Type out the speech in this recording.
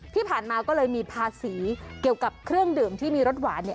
ที่ผ่านมาก็เลยมีภาษีเกี่ยวกับเครื่องดื่มที่มีรสหวานเนี่ย